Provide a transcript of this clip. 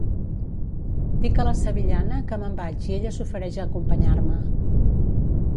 Dic a la sevillana que me'n vaig i ella s'ofereix a acompanyar-me.